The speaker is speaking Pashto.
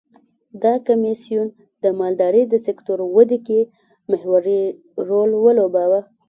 دا کمېسیون د مالدارۍ د سکتور ودې کې محوري رول ولوباوه.